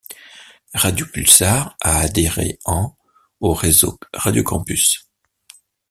Radio Pulsar a adhéré en au réseau Radio Campus.